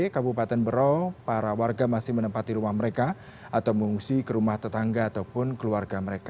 kabupaten berau para warga masih menempati rumah mereka atau mengungsi ke rumah tetangga ataupun keluarga mereka